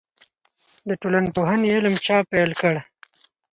د ټولنپوهنې علم چا پیل کړ؟